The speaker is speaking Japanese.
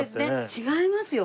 違いますよ